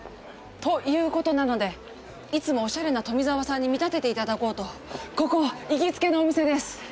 という事なのでいつもおしゃれな富沢さんに見立てて頂こうとここ行きつけのお店です。